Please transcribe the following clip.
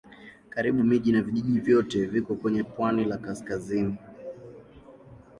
Karibu miji na vijiji vyote viko kwenye pwani la kaskazini.